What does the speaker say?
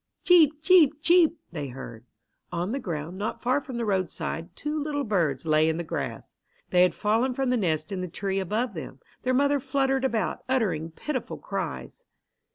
"Cheep! cheep! cheep!" they heard. On the ground, not far from the roadside, two little birds lay in the grass. They had fallen from the nest in the tree above them. Their mother fluttered about, uttering pitiful cries.